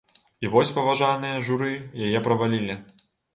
І вось паважаныя журы яе правалілі.